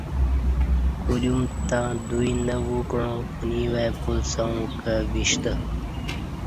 کدیوم تں دوئی نہ ووکعاں پنوی وای پلسئوں کہ وشتہ